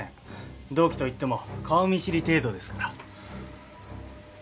同期といっても顔見知り程度ですから。